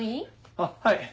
あっはい！